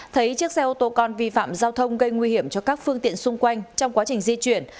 thấy chiếc xe ô tô con vi phạm giao thông gây nguy hiểm cho các phương tiện xung quanh trong quá trình di chuyển